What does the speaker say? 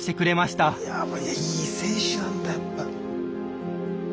やっぱいい選手なんだやっぱ。